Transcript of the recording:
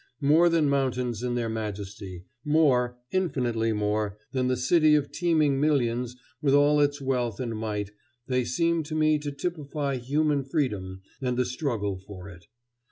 More than mountains in their majesty; more, infinitely more, than the city of teeming millions with all its wealth and might, they seem to me to typify human freedom and the struggle for it.